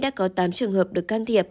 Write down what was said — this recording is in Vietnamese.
đã có tám trường hợp được can thiệp